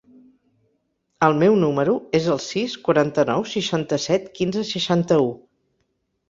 El meu número es el sis, quaranta-nou, seixanta-set, quinze, seixanta-u.